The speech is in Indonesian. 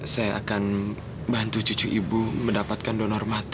saya akan bantu cucu ibu mendapatkan donor mata